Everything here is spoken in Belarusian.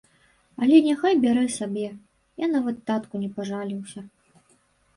Але няхай бярэ сабе, я нават татку не пажаліўся.